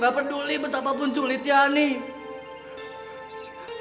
gak peduli betapa pun sulitnya honey